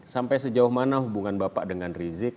sampai sejauh mana hubungan bapak dengan rizik